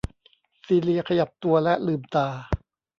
ซีเลียขยับตัวและลืมตา